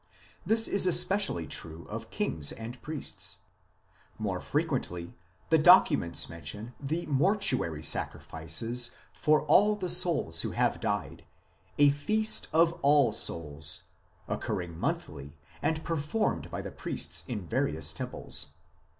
This is especially true of kings and priests. More frequently the documents mention the mortuary sacri fices for all the souls who have died, a Feast of All Souls, occurring monthly and performed by the priests in various temples.